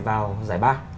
vào giải ba